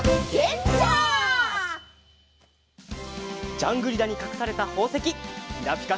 ジャングリラにかくされたほうせききらぴか